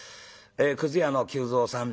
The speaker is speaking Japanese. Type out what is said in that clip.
くず屋の久蔵さん